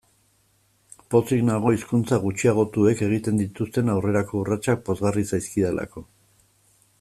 Pozik nago hizkuntza gutxiagotuek egiten dituzten aurrerako urratsak pozgarri zaizkidalako.